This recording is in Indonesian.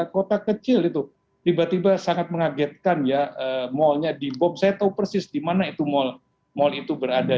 kota kecil itu tiba tiba sangat mengagetkan ya malnya di bom saya tahu persis di mana itu mall mal itu berada